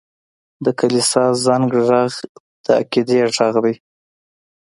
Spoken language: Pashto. د کلیسا زنګ ږغ د عقیدې غږ دی.